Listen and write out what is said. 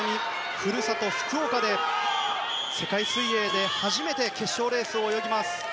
故郷・福岡で世界水泳で初めて決勝レースを泳ぎます。